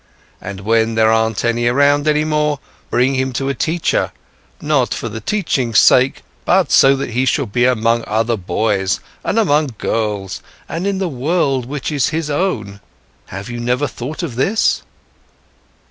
And when there aren't any around any more, bring him to a teacher, not for the teachings' sake, but so that he shall be among other boys, and among girls, and in the world which is his own. Have you never thought of this?"